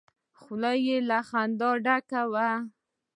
خوله يې له خندا ډکه وه.